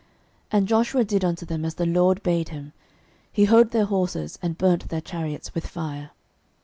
06:011:009 And Joshua did unto them as the LORD bade him: he houghed their horses, and burnt their chariots with fire.